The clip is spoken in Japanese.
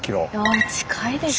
あ近いですね。